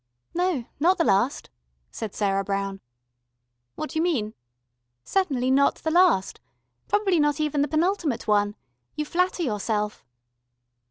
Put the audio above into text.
"No, not the last," said Sarah Brown. "What do you mean?" "Certainly not the last. Probably not even the penultimate one. You flatter yourself."